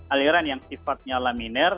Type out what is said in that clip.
aliran yang sifatnya laminer